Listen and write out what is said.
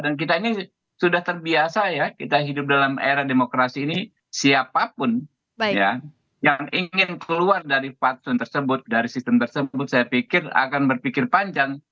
dan kita ini sudah terbiasa ya kita hidup dalam era demokrasi ini siapapun yang ingin keluar dari fadsun tersebut dari sistem tersebut saya pikir akan berpikir panjang